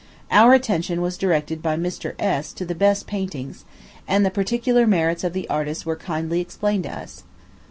Our attention was directed by Mr. S. to the best paintings, and the particular merits of the artists were kindly explained to us.